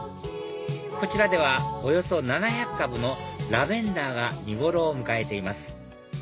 こちらではおよそ７００株のラベンダーが見頃を迎えています